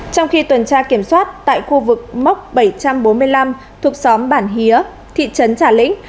trong khi tuần tra kiểm soát tại khu vực móc bảy trăm bốn mươi năm thuộc xóm bản hía thị trấn trà lĩnh